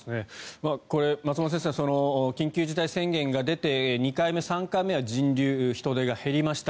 これ、松本先生緊急事態宣言が出て２回目、３回目は人出が減りました。